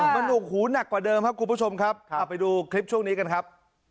มันหกหูหนักกว่าเดิมครับคุณผู้ชมครับเอาไปดูคลิปช่วงนี้กันครับ